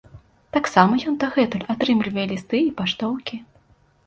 Таксама ён дагэтуль атрымлівае лісты і паштоўкі.